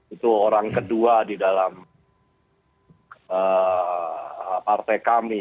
itu orang kedua di dalam partai kami